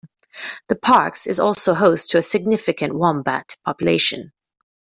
The parks is also host to a significant wombat population.